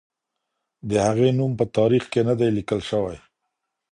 د هغې نوم په تاریخ کې نه دی لیکل شوی.